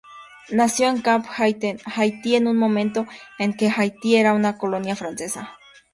Nació en Cap-Haïtien, Haití en un momento en que Haití era una colonia francesa.